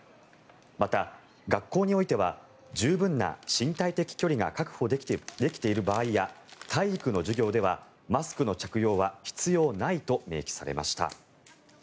また、学校においては十分な身体的距離が確保できている場合や体育の授業ではマスクの着用は必要ないと明記されました。